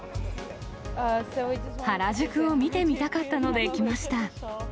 原宿を見てみたかったので、来ました。